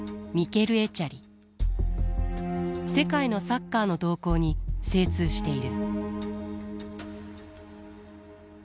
世界のサッカーの動向に精通している。